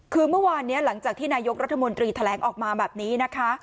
คือเมื่อวานนี้หลังจากที่นายกรัฐมนตรีแถลงออกมาแบบนี้นะคะ